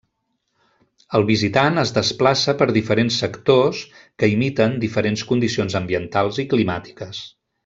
El visitant es desplaça per diferents sectors que imiten diferents condicions ambientals i climàtiques.